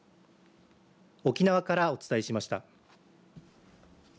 沖縄からお伝えしました。